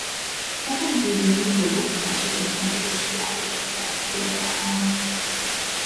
Ezen kívül még több oktatási központot is felállított szerte a birodalmában.